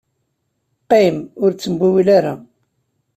Qqim, ur ttewliwil ara.